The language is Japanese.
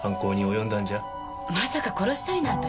まさか殺したりなんて。